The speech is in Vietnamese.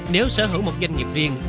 nếu sở hữu một doanh nghiệp riêng